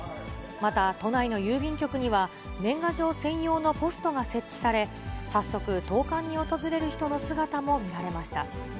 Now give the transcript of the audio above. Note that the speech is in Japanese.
また、都内の郵便局には、年賀状専用のポストが設置され、早速、投かんに訪れる人の姿も見られました。